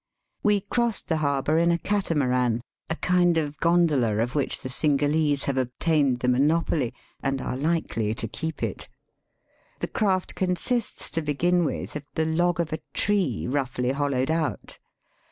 We crossed the harbour in a catamaran, a kind of gondola of which the Cingalese have obtained the monopoly, and are Hkely to keep it. The craft consists, to begin with, of the log of a tree roughly hollowed out.